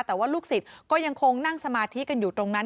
แต่ว่าลูกศิษย์ก็ยังคงนั่งสมาธิกันอยู่ตรงนั้น